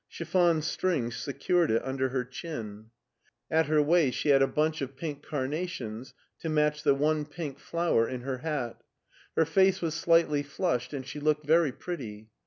Chiffon strings secured it under her chin. At LEIPSIC i6i her waist she had a btinch of pink carnations to match the one pink flower in her hat. Her face was slightly flushed and she looked very pretty.